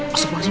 masuk malas ibu